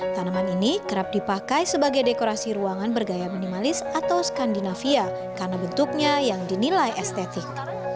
tanaman ini kerap dipakai sebagai dekorasi ruangan bergaya minimalis atau skandinavia karena bentuknya yang dinilai estetik